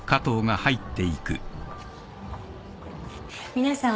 皆さん。